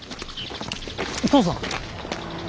父さん。